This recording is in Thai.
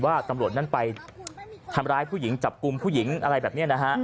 ว่าตำรวจนั้นไปทำร้ายผู้หญิงจับกลุ่มผู้หญิงอะไรแบบนี้นะฮะ